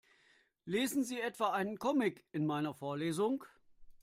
Lesen Sie etwa einen Comic in meiner Vorlesung?